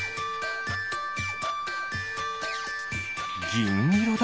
ぎんいろだ。